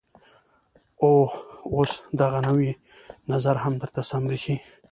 او اوس دغه نوى نظر هم درته سم بريښي.